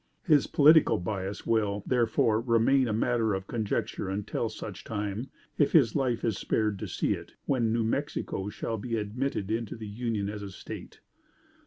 His political bias will, therefore, remain a matter of conjecture until such time, if his life is spared to see it, when New Mexico shall be admitted into the Union as a State.